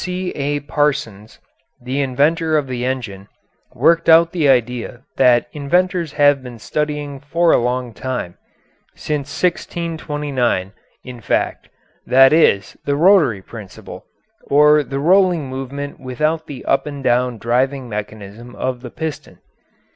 C.A. Parsons, the inventor of the engine, worked out the idea that inventors have been studying for a long time since 1629, in fact that is, the rotary principle, or the rolling movement without the up and down driving mechanism of the piston.